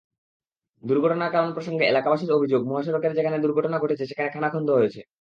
দুর্ঘটনার কারণ প্রসঙ্গে এলাকাবাসীর অভিযোগ, মহাসড়কের যেখানে দুর্ঘটনা ঘটেছে সেখানে খানাখন্দ হয়েছে।